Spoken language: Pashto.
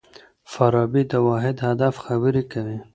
فارابي د واحد هدف خبري کوي.